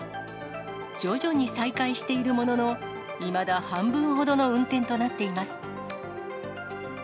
徐々に再開しているものの、いまだ半分ほどの運転となっています。